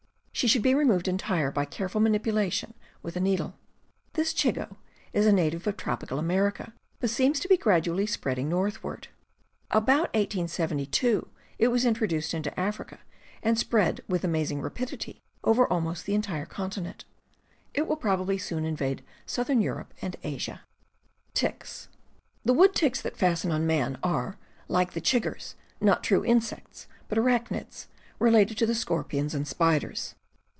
She should be removed entire by careful manipulation with a needle. This chigoe is a native of tropical America, but seems to be gradually spreading northward. About 1872 it was introduced into Africa, and spread with amazing rapidity over almost the entire continent. It will probably soon invade southern Europe and Asia. The wood ticks that fasten on man are, like the chiggers, not true insects, but arachnids, related to _,., the scorpions and spiders.